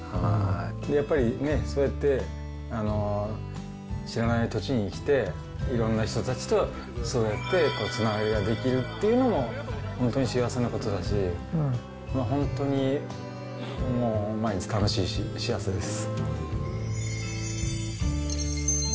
やっぱり、ね、そうやって知らない土地に来て、いろんな人たちとそうやってつながりが出来るっていうのも、本当に幸せなことだし、本当に毎日楽しいし、幸せです。